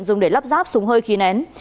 dùng để lắp ráp súng hơi khi nén